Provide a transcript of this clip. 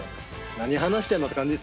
何話してんのって感じですよね